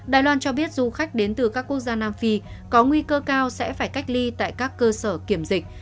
đài loan cho biết du khách đến từ các quốc gia nam phi có nguy cơ cao sẽ phải cách ly tại các cơ sở kiểm dịch